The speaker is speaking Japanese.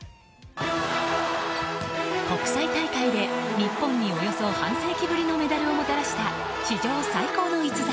国際大会で、日本におよそ半世紀ぶりのメダルをもたらした、史上最高の逸材